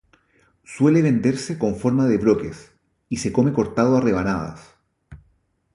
Suele venderse con forma de bloques, y se come cortado a rebanadas.